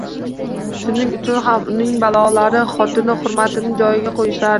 Shuning uchun ham uning bolalari, xotini hurmatini, joyiga quyishadi